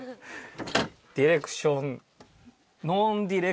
ディレクション。